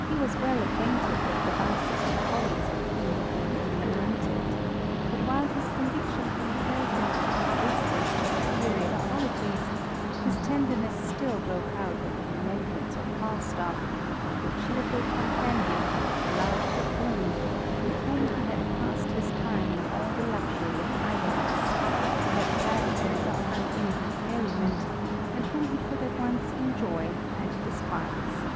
He was well acquainted with the vices and follies irf him whom he lamented ; but while his conviction compellei him to do justice to superior qualities, his tenderness still broke out at the remembrance of Falstaff, of the cheerful companion, the loud buffoon, with whom he had passed hil time in aU the luxury of idleness, who had gladded him with unenvied merriment, and whom he could at once enjoy ai despise.